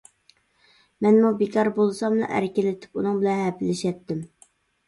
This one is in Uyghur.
مەنمۇ بىكار بولساملا ئەركىلىتىپ، ئۇنىڭ بىلەن ھەپىلىشەتتىم.